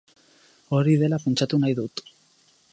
Hori dela pentsatu nahi dut.